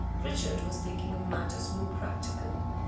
Richard was thinking of matters more practical.